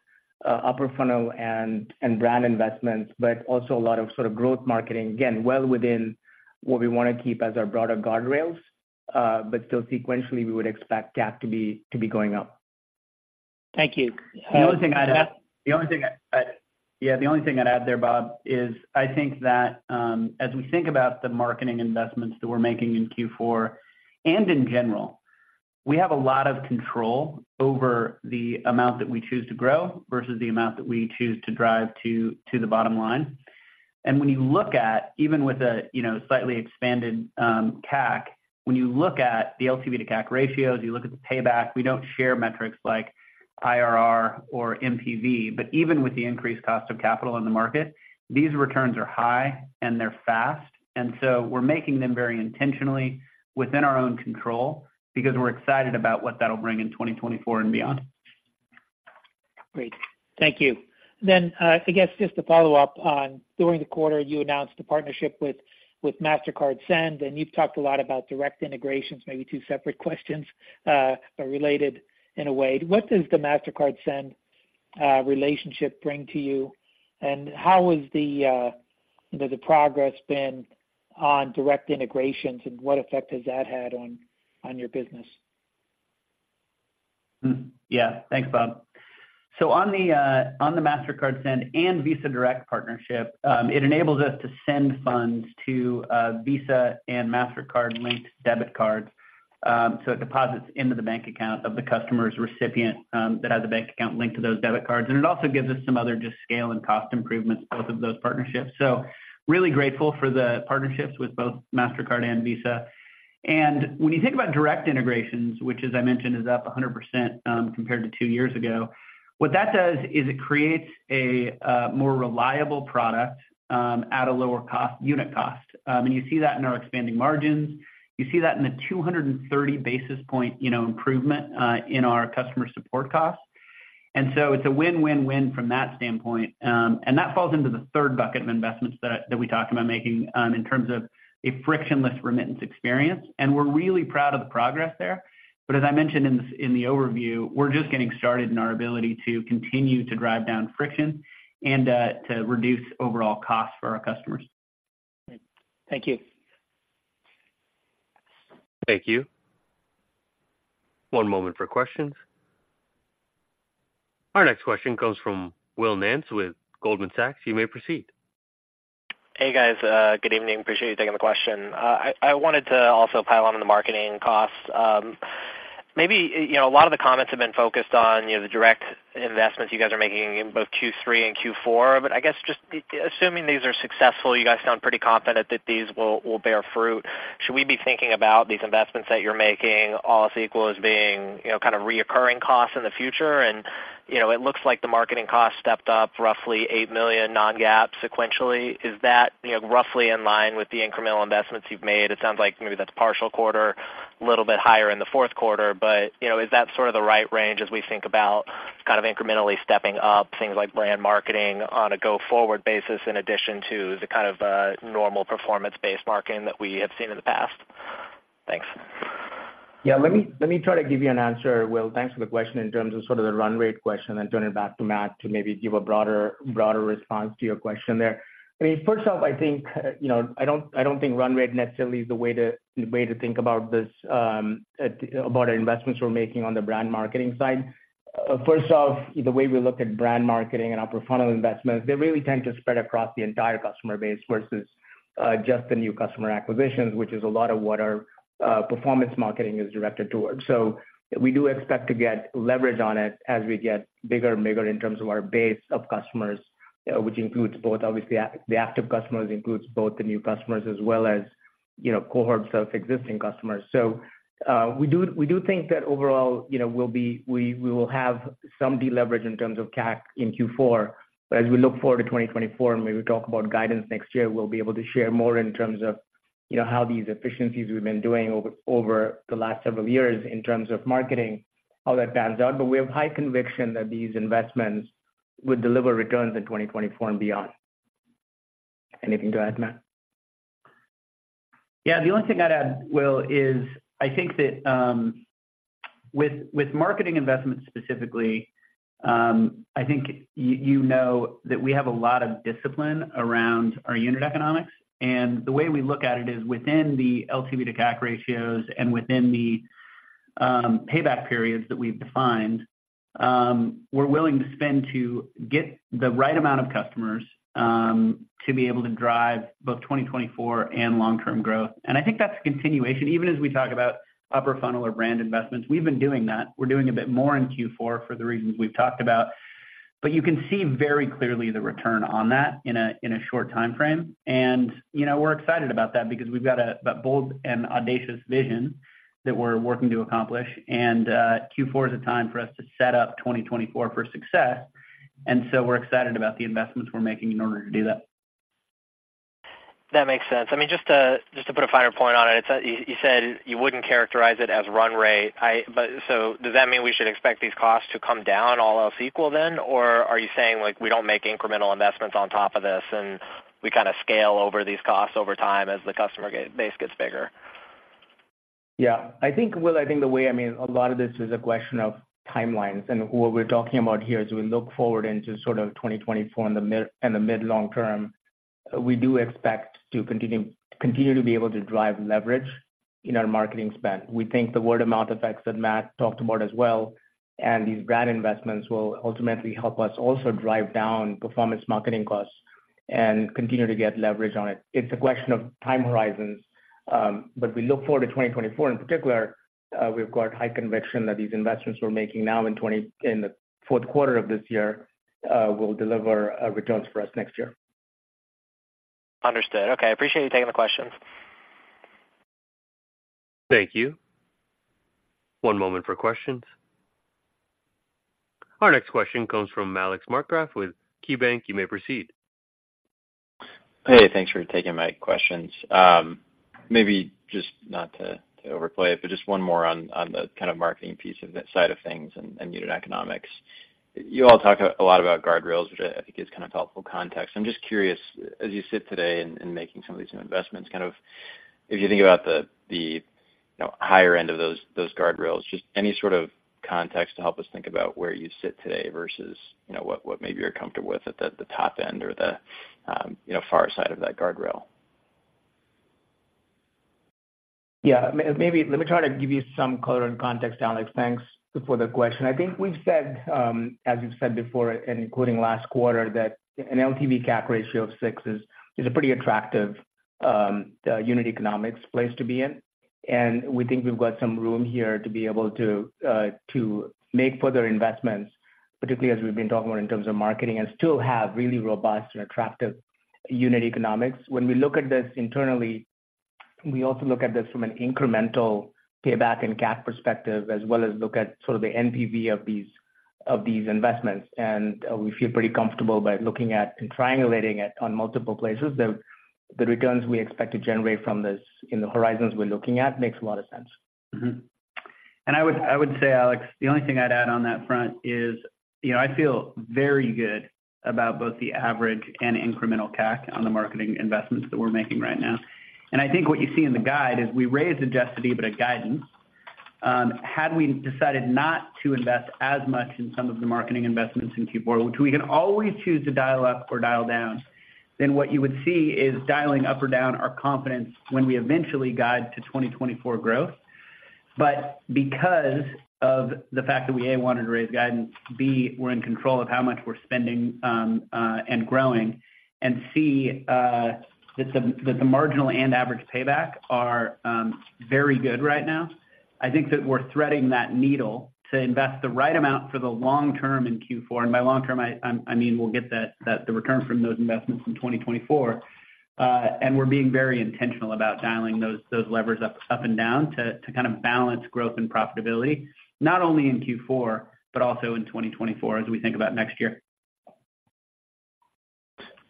upper funnel and brand investments, but also a lot of sort of growth marketing, again, well within what we wanna keep as our broader guardrails, but still sequentially, we would expect CAC to be going up. Thank you. The only thing I'd add there, Bob, is I think that, as we think about the marketing investments that we're making in Q4, and in general, we have a lot of control over the amount that we choose to grow versus the amount that we choose to drive to the bottom line. And when you look at, even with a, you know, slightly expanded CAC, when you look at the LTV-to-CAC ratios, you look at the payback, we don't share metrics like IRR or NPV. But even with the increased cost of capital in the market, these returns are high, and they're fast, and so we're making them very intentionally within our own control because we're excited about what that'll bring in 2024 and beyond. Great. Thank you. Then, I guess just to follow up on, during the quarter, you announced a partnership with, with Mastercard Send, and you've talked a lot about direct integrations, maybe two separate questions, but related in a way. What does the Mastercard Send relationship bring to you, and how is the,... the progress been on direct integrations, and what effect has that had on, on your business? Hmm. Yeah. Thanks, Bob. So on the, on the Mastercard Send and Visa Direct partnership, it enables us to send funds to, Visa and Mastercard-linked debit cards. So it deposits into the bank account of the customer's recipient, that has a bank account linked to those debit cards. And it also gives us some other just scale and cost improvements, both of those partnerships. So really grateful for the partnerships with both Mastercard and Visa. And when you think about direct integrations, which, as I mentioned, is up 100%, compared to two years ago, what that does is it creates a, more reliable product, at a lower cost-unit cost. And you see that in our expanding margins. You see that in the 230 basis point, you know, improvement, in our customer support costs. And so it's a win-win-win from that standpoint. And that falls into the third bucket of investments that we talked about making, in terms of a frictionless remittance experience. And we're really proud of the progress there. But as I mentioned in the overview, we're just getting started in our ability to continue to drive down friction and to reduce overall costs for our customers. Thank you. Thank you. One moment for questions. Our next question comes from Will Nance with Goldman Sachs. You may proceed. Hey, guys. Good evening. Appreciate you taking the question. I wanted to also pile on the marketing costs. Maybe, you know, a lot of the comments have been focused on, you know, the direct investments you guys are making in both Q3 and Q4. But I guess just assuming these are successful, you guys sound pretty confident that these will bear fruit. Should we be thinking about these investments that you're making, all else equal, as being, you know, kind of recurring costs in the future? And, you know, it looks like the marketing costs stepped up roughly $8 million non-GAAP sequentially. Is that, you know, roughly in line with the incremental investments you've made? It sounds like maybe that's partial quarter, a little bit higher in the fourth quarter, but, you know, is that sort of the right range as we think about kind of incrementally stepping up things like brand marketing on a go-forward basis, in addition to the kind of normal performance-based marketing that we have seen in the past? Thanks. Yeah, let me, let me try to give you an answer, Will. Thanks for the question. In terms of sort of the run rate question, and turn it back to Matt to maybe give a broader, broader response to your question there. I mean, first off, I think, you know, I don't, I don't think run rate necessarily is the way to, the way to think about this, about investments we're making on the brand marketing side. First off, the way we look at brand marketing and upper funnel investments, they really tend to spread across the entire customer base versus, just the new customer acquisitions, which is a lot of what our performance marketing is directed towards. So we do expect to get leverage on it as we get bigger and bigger in terms of our base of customers, which includes both... Obviously, the active customers includes both the new customers as well as, you know, cohorts of existing customers. So, we do think that overall, you know, we'll be, we will have some deleverage in terms of CAC in Q4. But as we look forward to 2024, and when we talk about guidance next year, we'll be able to share more in terms of, you know, how these efficiencies we've been doing over the last several years in terms of marketing, how that pans out. But we have high conviction that these investments would deliver returns in 2024 and beyond. Anything to add, Matt? Yeah, the only thing I'd add, Will, is I think that with marketing investments specifically, I think you know that we have a lot of discipline around our unit economics. And the way we look at it is within the LTV-to-CAC ratios and within the payback periods that we've defined, we're willing to spend to get the right amount of customers to be able to drive both 2024 and long-term growth. And I think that's a continuation. Even as we talk about upper funnel or brand investments, we've been doing that. We're doing a bit more in Q4 for the reasons we've talked about, but you can see very clearly the return on that in a short time frame. You know, we're excited about that because we've got a bold and audacious vision that we're working to accomplish. Q4 is a time for us to set up 2024 for success, and so we're excited about the investments we're making in order to do that. That makes sense. I mean, just to put a finer point on it, it's... You said you wouldn't characterize it as run rate. But so does that mean we should expect these costs to come down, all else equal then? Or are you saying, like, we don't make incremental investments on top of this, and we kind of scale over these costs over time as the customer base gets bigger? Yeah. I think, Will, I think the way, I mean, a lot of this is a question of timelines. And what we're talking about here is we look forward into sort of 2024 and the mid- and the mid-long-term, we do expect to continue to be able to drive leverage in our marketing spend. We think the word-of-mouth effects that Matt talked about as well, and these brand investments, will ultimately help us also drive down performance marketing costs and continue to get leverage on it. It's a question of time horizons, but we look forward to 2024. In particular, we've got high conviction that these investments we're making now in the fourth quarter of this year will deliver returns for us next year. Understood. Okay, I appreciate you taking the questions. Thank you. One moment for questions. Our next question comes from Alex Markgraff with KeyBanc Capital Markets. You may proceed. Hey, thanks for taking my questions. Maybe just not to overplay it, but just one more on the kind of marketing piece of that side of things and unit economics. You all talk a lot about guardrails, which I think gives kind of helpful context. I'm just curious, as you sit today in making some of these new investments, kind of if you think about the you know, higher end of those guardrails. Just any sort of context to help us think about where you sit today versus, you know, what maybe you're comfortable with at the top end or the you know, far side of that guardrail? Yeah. Maybe let me try to give you some color and context, Alex. Thanks for the question. I think we've said, as we've said before, and including last quarter, that an LTV CAC ratio of six is a pretty attractive unit economics place to be in. And we think we've got some room here to be able to to make further investments, particularly as we've been talking about in terms of marketing, and still have really robust and attractive unit economics. When we look at this internally, we also look at this from an incremental payback and CAC perspective, as well as look at sort of the NPV of these investments. We feel pretty comfortable by looking at and triangulating it on multiple places, the returns we expect to generate from this in the horizons we're looking at makes a lot of sense. Mm-hmm. And I would, I would say, Alex, the only thing I'd add on that front is, you know, I feel very good about both the average and incremental CAC on the marketing investments that we're making right now. And I think what you see in the guide is we raised adjusted EBITDA guidance. Had we decided not to invest as much in some of the marketing investments in Q4, which we can always choose to dial up or dial down, then what you would see is dialing up or down our confidence when we eventually guide to 2024 growth. But because of the fact that, we, A, wanted to raise guidance, B, we're in control of how much we're spending, and growing, and C, that the marginal and average payback are very good right now. I think that we're threading that needle to invest the right amount for the long-term in Q4. And by long-term, I mean, we'll get that the return from those investments in 2024. And we're being very intentional about dialing those levers up and down to kind of balance growth and profitability, not only in Q4, but also in 2024 as we think about next year.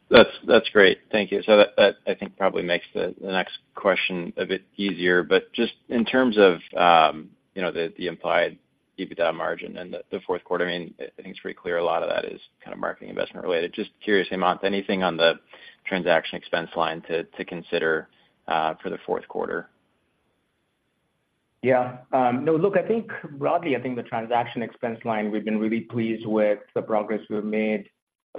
That's great. Thank you. So that I think probably makes the next question a bit easier. But just in terms of, you know, the implied EBITDA margin in the fourth quarter, I mean, I think it's pretty clear a lot of that is kind of marketing investment related. Just curious, Hemanth, anything on the transaction expense line to consider for the fourth quarter? Yeah. No, look, I think broadly, I think the transaction expense line, we've been really pleased with the progress we've made,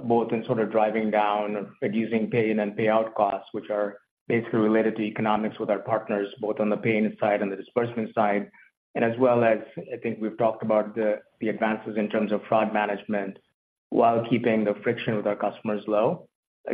both in sort of driving down and reducing pay-in and payout costs, which are basically related to economics with our partners, both on the paying side and the disbursement side. And as well as, I think we've talked about the advances in terms of fraud management, while keeping the friction with our customers low.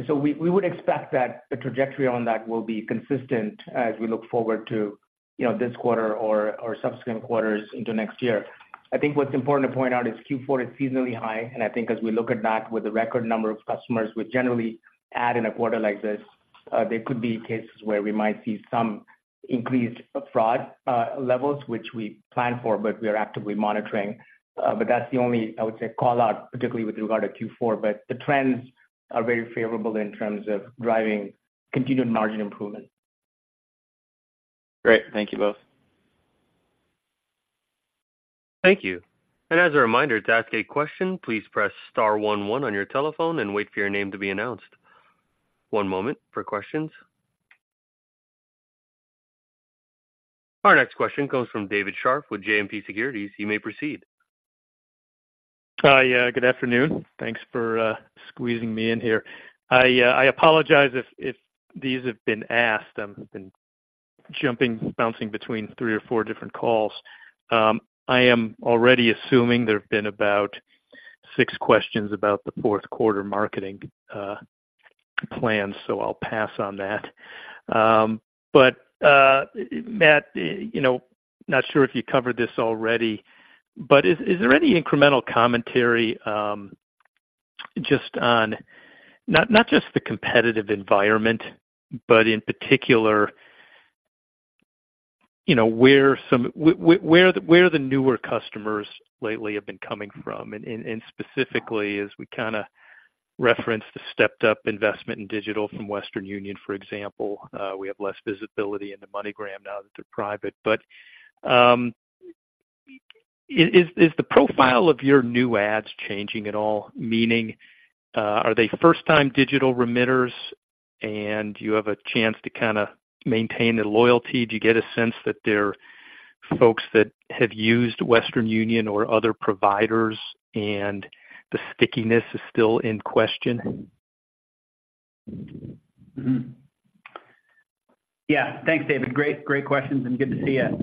So we would expect that the trajectory on that will be consistent as we look forward to, you know, this quarter or subsequent quarters into next year. I think what's important to point out is Q4 is seasonally high, and I think as we look at that with a record number of customers, we generally add in a quarter like this. There could be cases where we might see some increased fraud levels, which we plan for, but we are actively monitoring. But that's the only, I would say, call out, particularly with regard to Q4. But the trends are very favorable in terms of driving continued margin improvement. Great. Thank you both. Thank you. As a reminder, to ask a question, please press star one one on your telephone and wait for your name to be announced. One moment for questions. Our next question comes from David Scharf with JMP Securities. You may proceed. Hi, good afternoon. Thanks for squeezing me in here. I apologize if these have been asked. I've been jumping, bouncing between three or four different calls. I am already assuming there have been about six questions about the fourth quarter marketing plan, so I'll pass on that. But Matt, you know, not sure if you covered this already, but is there any incremental commentary just on, not just the competitive environment, but in particular, you know, where the newer customers lately have been coming from? And specifically, as we kind of referenced, the stepped up investment in digital from Western Union, for example, we have less visibility into MoneyGram now that they're private. But is the profile of your new ads changing at all? Meaning, are they first-time digital remitters and you have a chance to kind of maintain their loyalty? Do you get a sense that they're folks that have used Western Union or other providers, and the stickiness is still in question? Mm-hmm. Yeah. Thanks, David. Great, great questions, and good to see you.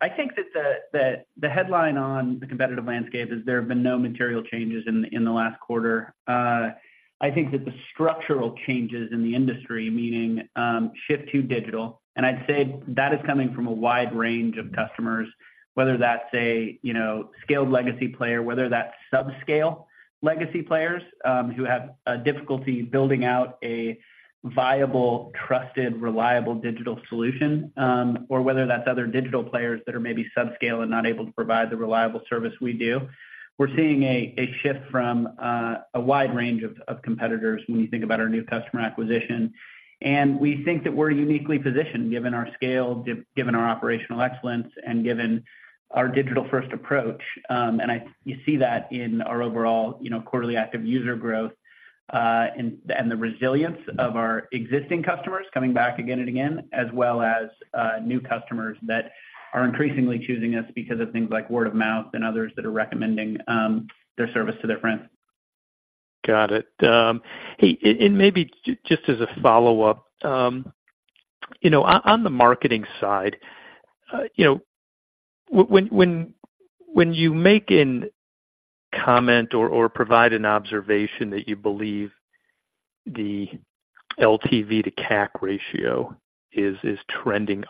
I think that the headline on the competitive landscape is there have been no material changes in the last quarter. I think that the structural changes in the industry, meaning, shift to digital, and I'd say that is coming from a wide range of customers, whether that's a, you know, scaled legacy player, whether that's subscale legacy players, who have, difficulty building out a viable, trusted, reliable digital solution, or whether that's other digital players that are maybe subscale and not able to provide the reliable service we do. We're seeing a shift from, a wide range of competitors when you think about our new customer acquisition. We think that we're uniquely positioned, given our scale, given our operational excellence, and given our digital-first approach. You see that in our overall, you know, quarterly active user growth, and the resilience of our existing customers coming back again and again, as well as new customers that are increasingly choosing us because of things like word-of-mouth and others that are recommending their service to their friends.... Got it. Hey, and maybe just as a follow-up, you know, on the marketing side, you know, when you make a comment or provide an observation that you believe the LTV-to-CAC ratio is trending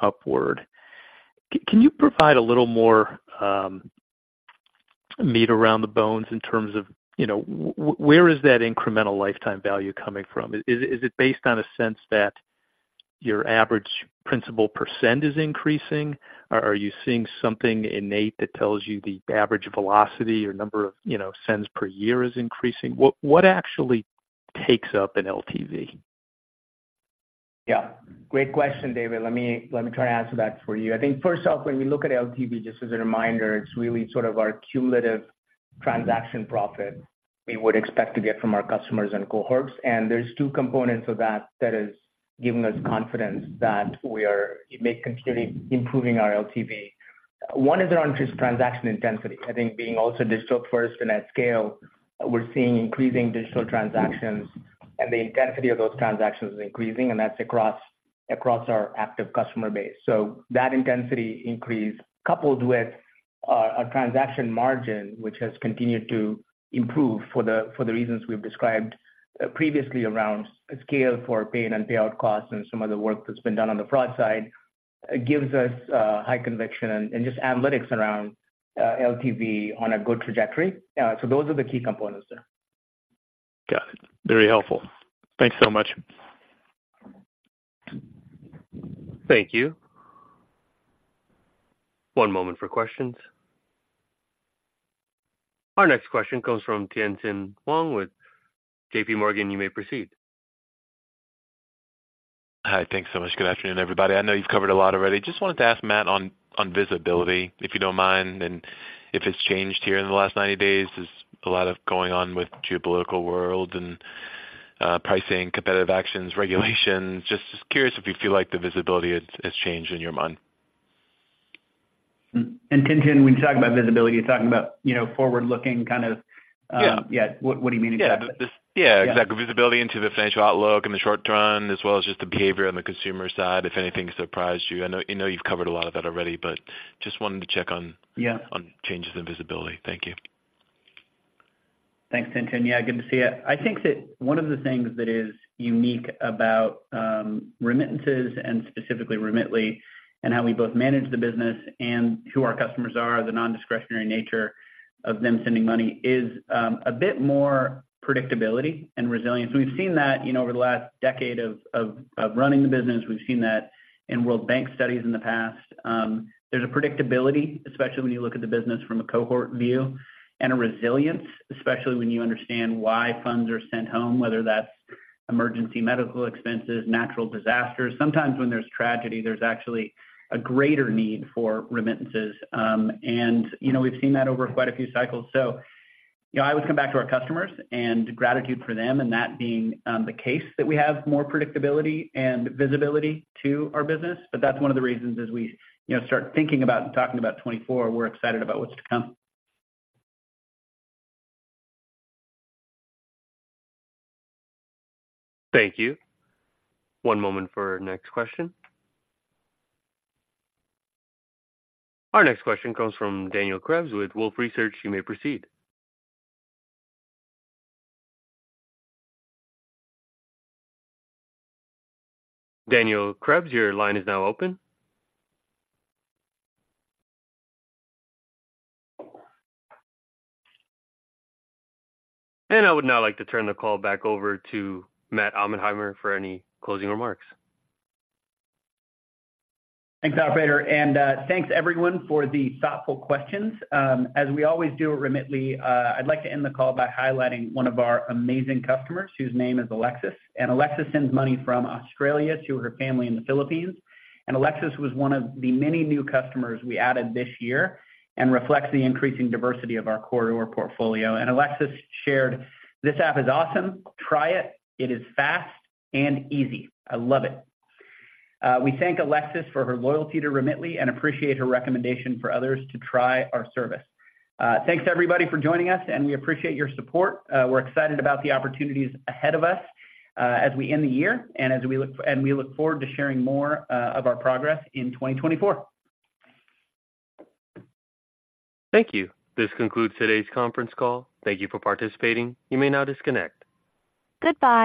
upward, can you provide a little more meat around the bones in terms of, you know, where is that incremental lifetime value coming from? Is it based on a sense that your average principal percent is increasing? Or are you seeing something innate that tells you the average velocity or number of, you know, sends per year is increasing? What actually takes up an LTV? Yeah, great question, David. Let me, let me try to answer that for you. I think first off, when we look at LTV, just as a reminder, it's really sort of our cumulative transaction profit we would expect to get from our customers and cohorts. And there's two components of that that is giving us confidence that we are make continuing improving our LTV. One is around just transaction intensity. I think being also digital first and at scale, we're seeing increasing digital transactions, and the intensity of those transactions is increasing, and that's across, across our active customer base. So that intensity increase, coupled with a transaction margin which has continued to improve for the, for the reasons we've described previously around scale for paying and payout costs and some of the work that's been done on the fraud side, gives us high conviction and just analytics around LTV on a good trajectory. So those are the key components there. Got it. Very helpful. Thanks so much. Thank you. One moment for questions. Our next question comes from Tien-Tsin Huang with JPMorgan. You may proceed. Hi. Thanks so much. Good afternoon, everybody. I know you've covered a lot already. Just wanted to ask Matt on visibility, if you don't mind, and if it's changed here in the last 90 days. There's a lot of going on with geopolitical world and pricing, competitive actions, regulations. Just curious if you feel like the visibility has changed in your mind. Tien-Tsin, when you talk about visibility, you're talking about, you know, forward-looking, kind of, Yeah. Yeah. What, what do you mean exactly? Yeah, just... Yeah, exactly. Yeah. Visibility into the financial outlook in the short-term, as well as just the behavior on the consumer side, if anything surprised you? I know, I know you've covered a lot of that already, but just wanted to check on- Yeah on changes in visibility. Thank you. Thanks, Tien-Tsin. Yeah, good to see you. I think that one of the things that is unique about remittances and specifically Remitly, and how we both manage the business and who our customers are, the non-discretionary nature of them sending money is a bit more predictability and resilience. We've seen that, you know, over the last decade of running the business. We've seen that in World Bank studies in the past. There's a predictability, especially when you look at the business from a cohort view, and a resilience, especially when you understand why funds are sent home, whether that's emergency medical expenses, natural disasters. Sometimes when there's tragedy, there's actually a greater need for remittances. And, you know, we've seen that over quite a few cycles. You know, I always come back to our customers and gratitude for them, and that being, the case, that we have more predictability and visibility to our business. But that's one of the reasons, as we, you know, start thinking about and talking about 2024, we're excited about what's to come. Thank you. One moment for our next question. Our next question comes from Daniel Krebs with Wolfe Research. You may proceed. Daniel Krebs, your line is now open. I would now like to turn the call back over to Matt Oppenheimer for any closing remarks. Thanks, operator, and thanks, everyone, for the thoughtful questions. As we always do at Remitly, I'd like to end the call by highlighting one of our amazing customers, whose name is Alexis. Alexis sends money from Australia to her family in the Philippines. Alexis was one of the many new customers we added this year and reflects the increasing diversity of our corridor portfolio. Alexis shared: "This app is awesome. Try it. It is fast and easy. I love it." We thank Alexis for her loyalty to Remitly and appreciate her recommendation for others to try our service. Thanks, everybody, for joining us, and we appreciate your support. We're excited about the opportunities ahead of us, as we end the year, and as we look forward to sharing more of our progress in 2024. Thank you. This concludes today's conference call. Thank you for participating. You may now disconnect. Goodbye.